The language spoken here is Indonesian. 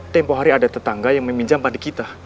tempoh hari ada tetangga yang meminjam padi kita